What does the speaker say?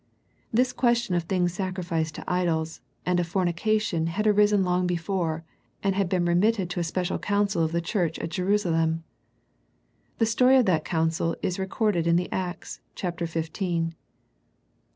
This question of things sacrificed to idols, and of fornication had arisen long before, and had been remitted to a special council of the church at Jerusalem. The story of that council is re corded in the Acts, chapter fifteen.